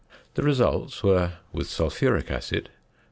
The results were: With sulphuric acid 22.